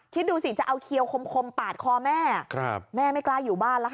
คิดดูสิจะเอาเขียวคมปาดคอแม่แม่ไม่กล้าอยู่บ้านแล้วค่ะ